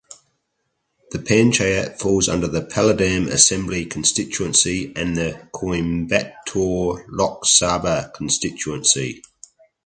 The panchayat falls under the Palladam Assembly constituency and the Coimbatore Lok Sabha constituency.